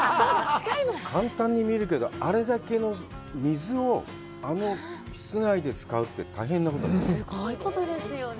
簡単に見えるけど、あれだけの水をあの室内で使うって大変なことだよね。